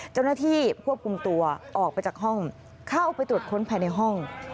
เจ้าหน้าที่ควบคุมตัวออกไปจากห้องเข้าไปตรวจค้นภายในห้อง